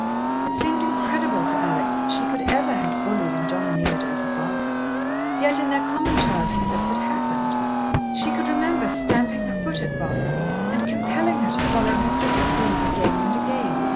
It seemed incredible to Alex that she could ever have bullied and domineered over Barbara. Yet in their common childhood, this had happened. She could remember stamping her foot at Barbara, and compelling her to follow her sister's lead again and again.